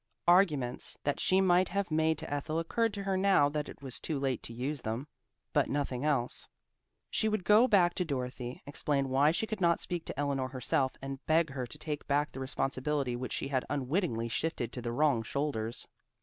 Arguments that she might have made to Ethel occurred to her now that it was too late to use them, but nothing else. She would go back to Dorothy, explain why she could not speak to Eleanor herself, and beg her to take back the responsibility which she had unwittingly shifted to the wrong shoulders.